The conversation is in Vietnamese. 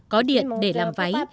có điện để làm váy